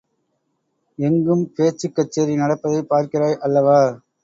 எங்கும் பேச்சுக் கச்சேரி நடப்பதைப் பார்க்கிறாய் அல்லவா?